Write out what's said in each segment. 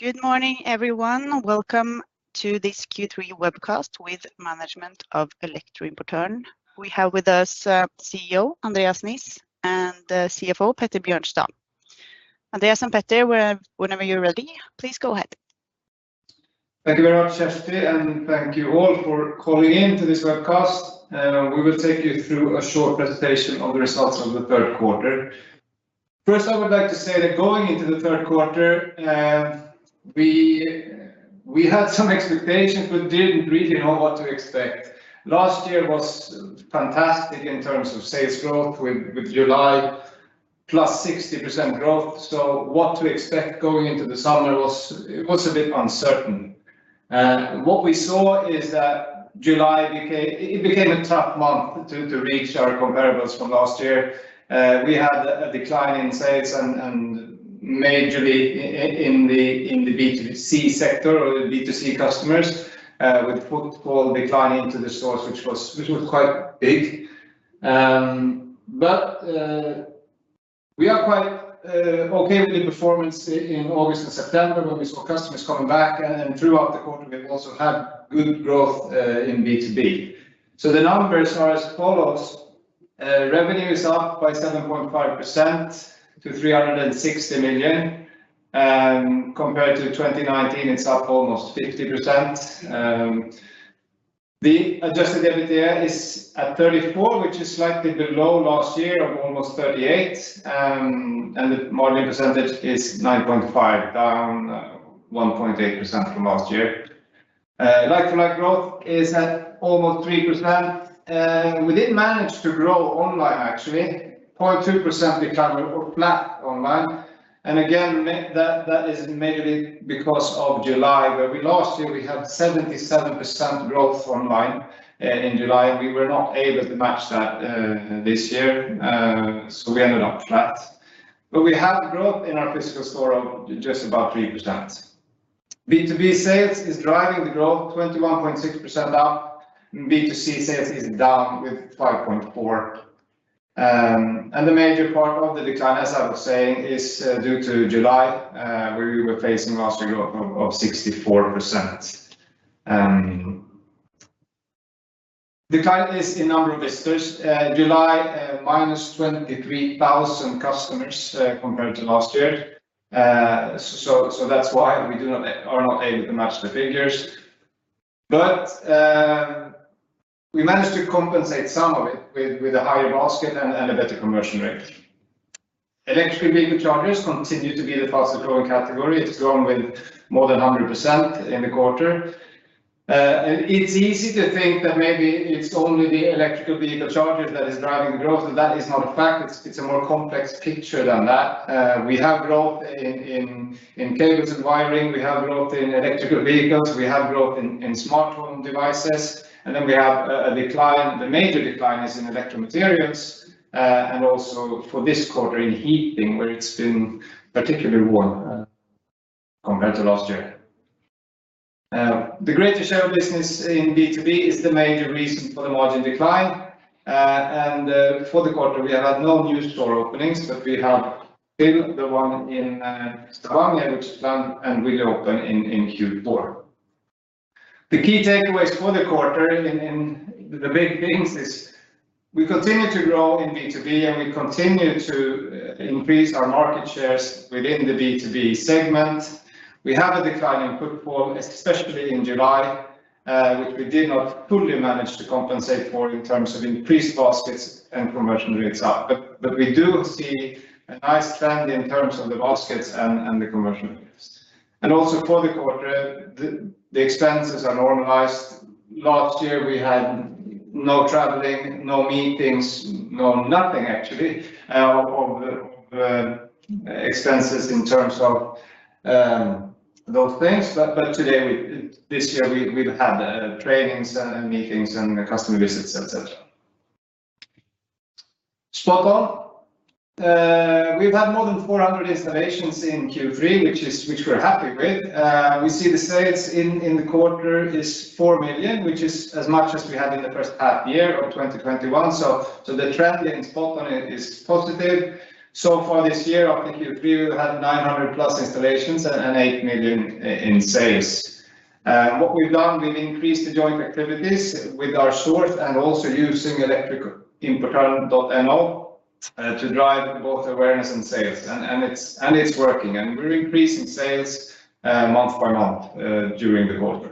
Good morning, everyone. Welcome to this Q3 webcast with management of Elektroimportøren. We have with us CEO Andreas Niss and CFO Petter Bjørnstad. Andreas and Petter, whenever you're ready, please go ahead. Thank you very much, Kjersti, and thank you all for calling in to this webcast. We will take you through a short presentation on the results of the third quarter. First, I would like to say that going into the third quarter, we had some expectations, but didn't really know what to expect. Last year was fantastic in terms of sales growth with July +60% growth. What to expect going into the summer was a bit uncertain. What we saw is that July became a tough month to reach our comparables from last year. We had a decline in sales and majorly in the B2C sector or B2C customers, with footfall declining to the stores, which was quite big. We are quite okay with the performance in August and September when we saw customers coming back, and then throughout the quarter we also had good growth in B2B. The numbers are as follows. Revenue is up by 7.5% to 360 million. Compared to 2019, it's up almost 50%. The adjusted EBITDA is at 34, which is slightly below last year of almost 38. The margin percentage is 9.5, down 1.8% from last year. Like-for-like growth is at almost 3%. We did manage to grow online actually, 0.2% decline or flat online. That is mainly because of July, where last year we had 77% growth online in July, and we were not able to match that this year. We ended up flat. We had growth in our physical store of just about 3%. B2B sales is driving the growth, 21.6% up. B2C sales is down with 5.4%. The major part of the decline, as I was saying, is due to July, where we were facing last year growth of 64%. The decline is in number of visitors. July minus 23,000 customers compared to last year. That's why we are not able to match the figures. We managed to compensate some of it with a higher basket and a better conversion rate. Electric vehicle chargers continue to be the fastest growing category. It's grown with more than 100% in the quarter. It's easy to think that maybe it's only the electric vehicle chargers that is driving the growth, but that is not a fact. It's a more complex picture than that. We have growth in cables and wiring. We have growth in electric vehicles. We have growth in smart home devices. We have a decline, the major decline is in electro materials, and also for this quarter in heating, where it's been particularly weak compared to last year. The greater share of business in B2B is the major reason for the margin decline. For the quarter, we have had no new store openings, but we have built the one in Stavanger which planned and will open in Q4. The key takeaways for the quarter in the big things is we continue to grow in B2B, and we continue to increase our market shares within the B2B segment. We have a decline in footfall, especially in July, which we did not fully manage to compensate for in terms of increased baskets and conversion rates up. We do see a nice trend in terms of the baskets and the conversion rates. Also for the quarter, the expenses are normalized. Last year, we had no traveling, no meetings, no nothing actually of expenses in terms of those things. Today we... This year we've had trainings and meetings and customer visits, et cetera. SpotOn. We've had more than 400 installations in Q3, which we're happy with. We see the sales in the quarter is 4 million, which is as much as we had in the first half year of 2021. The trend in SpotOn is positive. So far this year, up to Q3, we had 900+ installations and 8 million in sales. What we've done, we've increased the joint activities with our stores and also using elektroimportoren.no to drive both awareness and sales. It's working, and we're increasing sales month by month during the quarter.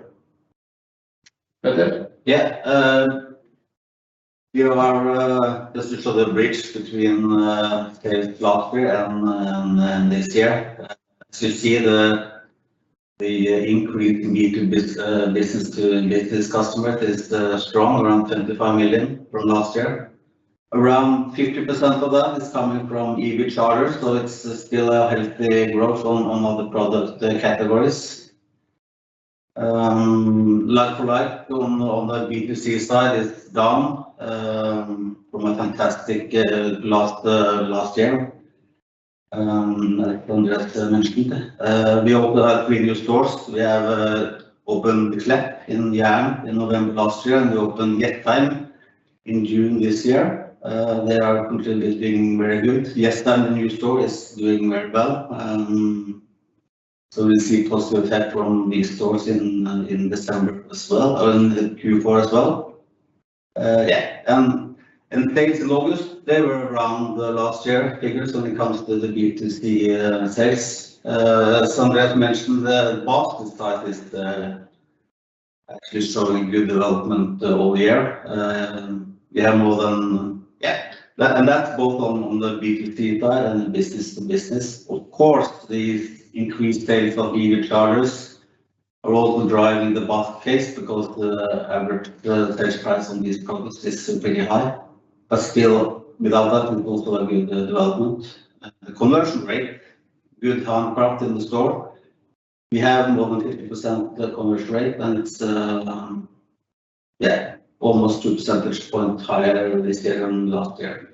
Petter? Here are just to show the bridge between last year and this year. As you see the increase in B2B business-to-business customer is strong, around 25 million from last year. Around 50% of that is coming from EV chargers, so it's still a healthy growth on other product categories. Like for like on the B2C side is down from a fantastic last year, like Andreas mentioned. We opened up three new stores. We opened Klepp in Jæren in November last year, and we opened Jessheim June this year, they are continually being very good. Yes, and the new store is doing very well. So we'll see positive effect from these stores in December as well, or in Q4 as well. Sales in August, they were around the last year figures when it comes to the B2C sales. As Andreas mentioned, the basket size is actually showing good development all year. We have more than. That's both on the B2C side and business to business. Of course, the increased sales of EV chargers are also driving the basket because the average sales price on these products is pretty high. But still, without that, we also have good development. Conversion rate, good and footfall in the store. We have more than 50% conversion rate, and it's almost 2 percentage point higher this year than last year.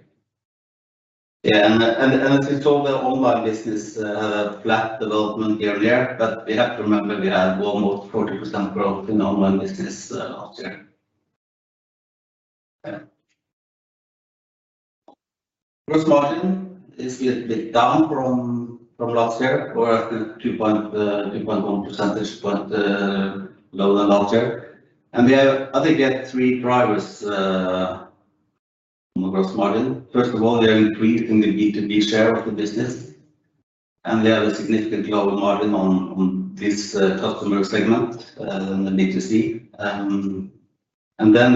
And as we saw the online business, flat development year-over-year, but we have to remember we had almost 40% growth in online business last year. Gross margin is a bit down from last year or at the 2.1 percentage point lower than last year. We have, I think, three drivers on the gross margin. First of all, we are increasing the B2B share of the business, and we have a significant lower margin on this customer segment, the B2C.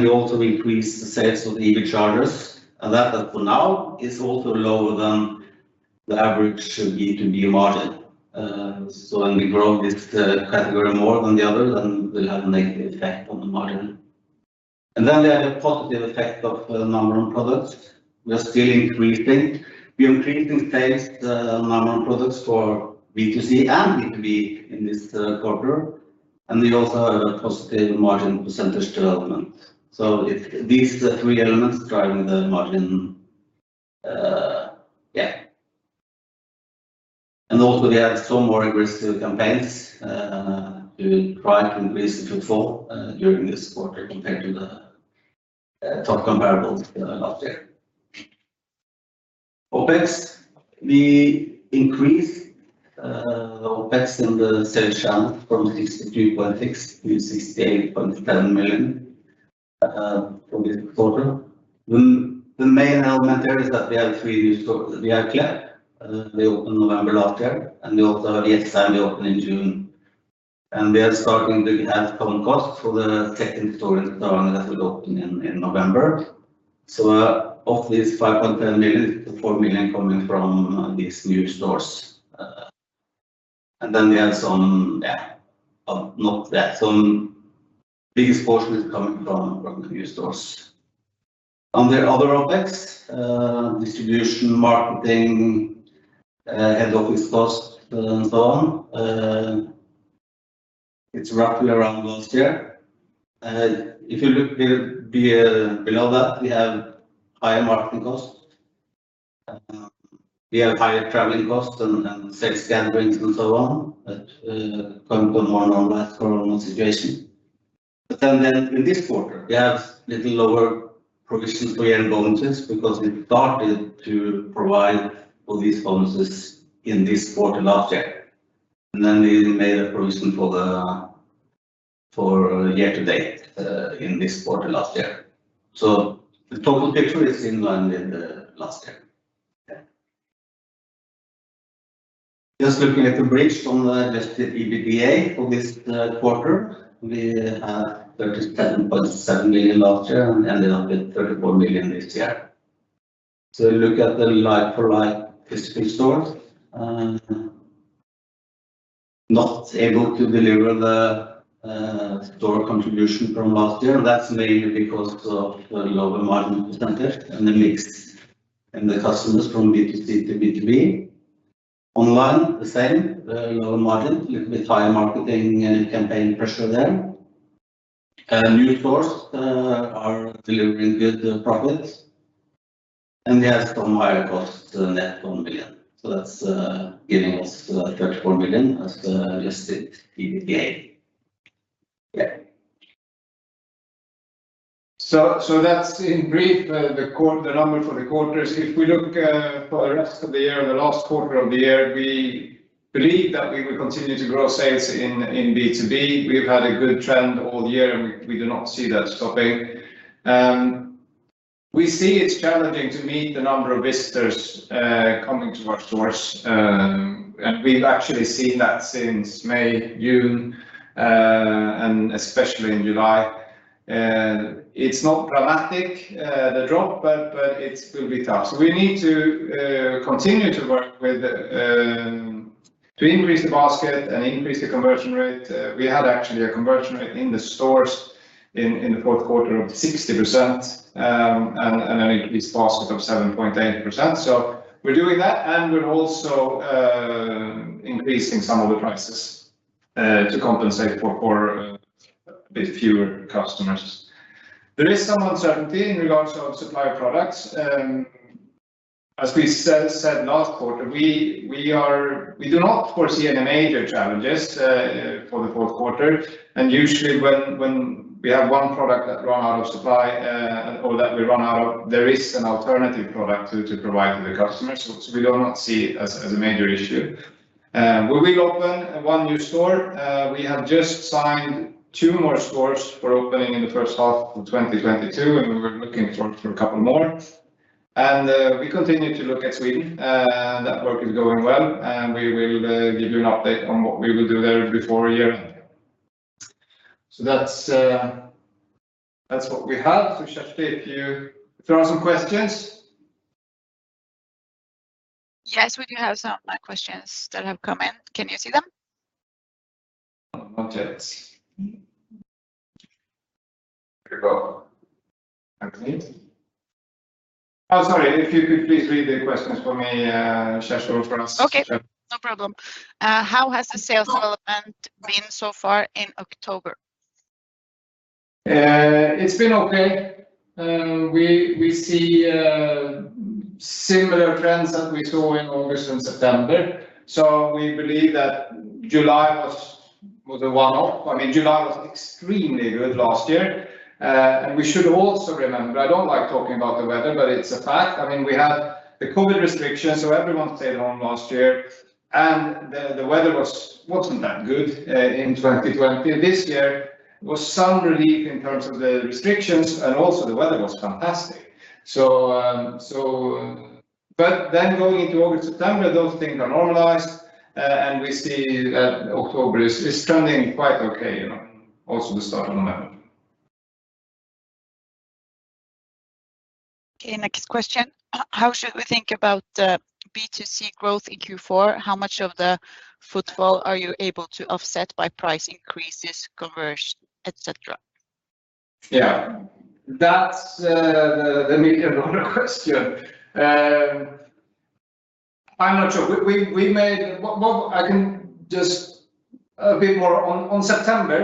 We also increased the sales of the EV chargers. That for now is also lower than the average should-be B2B margin. When we grow this category more than the others, then we'll have a negative effect on the margin. We have a positive effect of Namron products. We are still increasing. We are increasing sales, the Namron products for B2C and B2B in this quarter, and we also have a positive margin percentage development. These are the three elements driving the margin. We have some more aggressive campaigns trying to increase the footfall during this quarter compared to the tough comparable last year. OPEX we increased in the sales channel from NOK 62.6 million to NOK 68.10 million from this quarter. The main element there is that we have three new stores. We have Klepp, they opened November last year, and we also have Jessheim, they opened in June. We are starting to have common costs for the second store in Stavanger that will open in November. Of this 5.10 million, 4 million coming from these new stores. The biggest portion is coming from the new stores. On the other OPEX, distribution, marketing, head office costs, and so on, it's roughly around last year. If you look a bit below that, we have higher marketing costs. We have higher traveling costs and sales gatherings and so on that come from our normal situation. In this quarter, we have a little lower provisions for year-end bonuses because we started to provide all these bonuses in this quarter last year. We made a provision for year to date in this quarter last year. The total picture is in line with last year. Just looking at the bridge on the adjusted EBITDA for this quarter. We had 37.7 million last year and ended up with 34 million this year. Look at the like-for-like physical stores. Not able to deliver the store contribution from last year. That's mainly because of the lower margin percentage and the mix in the customers from B2C to B2B. Online, the same, lower margin, little bit higher marketing and campaign pressure there. New stores are delivering good profits. We have some higher costs net 1 million. That's giving us 34 million as the adjusted EBITDA. That's in brief the number for the quarters. If we look for the rest of the year and the last quarter of the year, we believe that we will continue to grow sales in B2B. We've had a good trend all year, and we do not see that stopping. We see it's challenging to meet the number of visitors coming to our stores. We've actually seen that since May, June, and especially in July. It's not dramatic, the drop, but it will be tough. We need to continue to work with to increase the basket and increase the conversion rate. We had actually a conversion rate in the stores in the fourth quarter of 60%, and an increase basket of 7.8%. We're doing that, and we're also increasing some of the prices to compensate for a bit fewer customers. There is some uncertainty in regards of supply of products. As we said last quarter, we do not foresee any major challenges for the fourth quarter. Usually when we have one product that run out of supply or that we run out of, there is an alternative product to provide to the customer. We do not see it as a major issue. We will open one new store. We have just signed two more stores for opening in the first half of 2022, and we're looking for a couple more. We continue to look at Sweden. That work is going well, and we will give you an update on what we will do there before year-end. That's what we have. Kjersti, if you throw out some questions. Yes, we do have some questions that have come in. Can you see them? Not yet. Here we go. Now please. Oh, sorry, if you could please read the questions for me, Kjersti, for us. Yeah. Okay, no problem. How has the sales development been so far in October? It's been okay. We see similar trends that we saw in August and September. We believe that July was a one-off. I mean, July was extremely good last year. We should also remember, I don't like talking about the weather, but it's a fact, I mean, we had the COVID restrictions, so everyone stayed home last year. The weather wasn't that good in 2020. This year was some relief in terms of the restrictions, and also the weather was fantastic. Going into August, September, those things are normalized, and we see that October is trending quite okay, you know, also the start of November. Okay, next question. How should we think about B2C growth in Q4? How much of the footfall are you able to offset by price increases, conversion, et cetera? Yeah, that's the million dollar question. I'm not sure. I can say a bit more on September.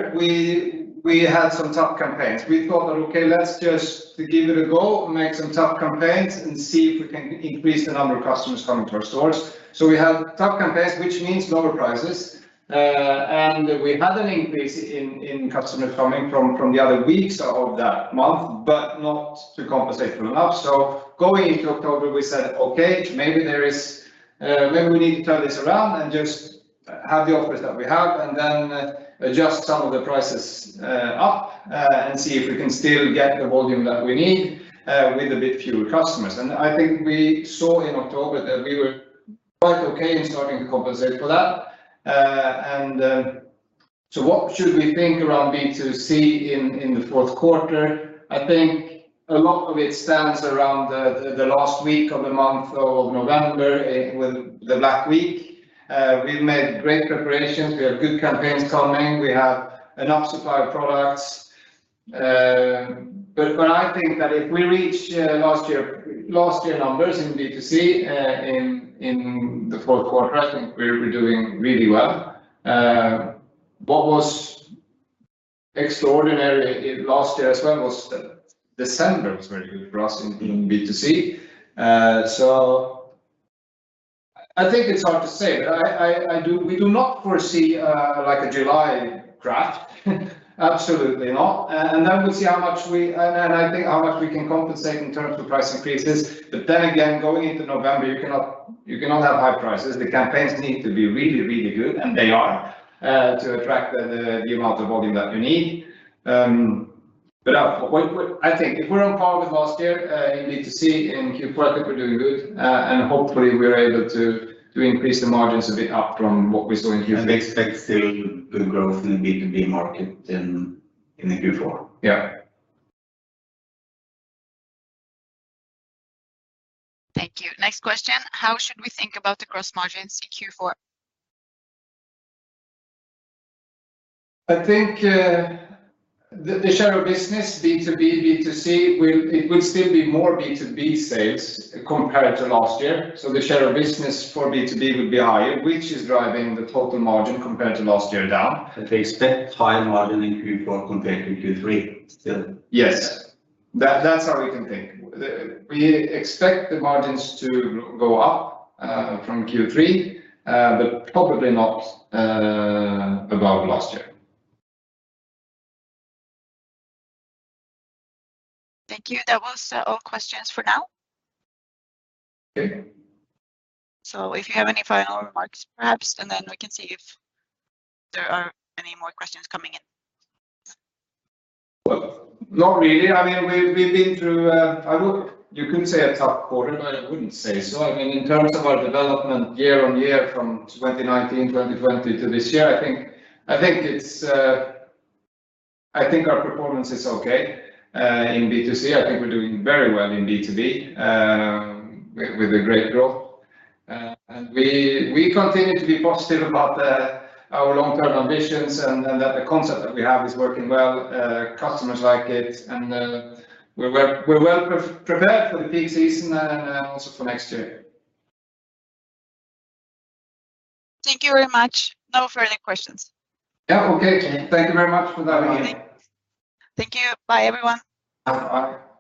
We had some tough campaigns. We thought that, let's just give it a go and make some tough campaigns and see if we can increase the number of customers coming to our stores. We had tough campaigns, which means lower prices. We had an increase in customers coming from the other weeks of that month, but not enough to compensate. Going into October, we said, "Okay, maybe we need to turn this around and just have the offers that we have and then adjust some of the prices up and see if we can still get the volume that we need with a bit fewer customers." I think we saw in October that we were quite okay in starting to compensate for that. What should we think around B2C in the fourth quarter? I think a lot of it stands around the last week of the month of November with the Black Week. We've made great preparations. We have good campaigns coming. We have enough supply of products. When I think that if we reach last year numbers in B2C in the fourth quarter, I think we're doing really well. What was extraordinary last year as well was December was very good for us in B2C. I think it's hard to say. We do not foresee like a July crash, absolutely not. Then we'll see how much we and I think how much we can compensate in terms of price increases. Then again, going into November, you cannot have high prices. The campaigns need to be really good, and they are to attract the amount of volume that you need. I think if we're on par with last year in B2C in Q4, I think we're doing good. Hopefully, we are able to increase the margins a bit up from what we saw in Q3. Expect still good growth in the B2B market in the Q4. Yeah. Thank you. Next question. How should we think about the gross margins in Q4? I think the share of business B2B, B2C it will still be more B2B sales compared to last year. The share of business for B2B will be higher, which is driving the total margin compared to last year down. We expect higher margin in Q4 compared to Q3 still? Yes. That, that's how we can think. We expect the margins to go up from Q3, but probably not above last year. Thank you. That was all questions for now. Okay. If you have any final remarks, perhaps, and then we can see if there are any more questions coming in. Well, not really. I mean, we've been through what you could say is a tough quarter, but I wouldn't say so. I mean, in terms of our development year-over-year from 2019, 2020 to this year, I think our performance is okay in B2C. I think we're doing very well in B2B with a great growth. We continue to be positive about our long-term ambitions and that the concept that we have is working well. Customers like it, and we're well prepared for the peak season and also for next year. Thank you very much. No further questions. Yeah. Okay. Thank you very much for that again. Okay. Thank you. Bye everyone.